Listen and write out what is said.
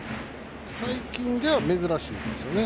最近では珍しいですよね。